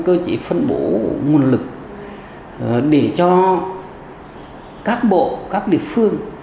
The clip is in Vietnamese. cơ chế phân bổ nguồn lực để cho các bộ các địa phương